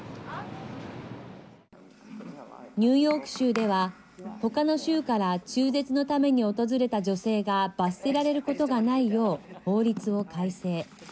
ニューヨーク州ではほかの州から中絶のために訪れた女性が罰せられることがないよう法律を改正。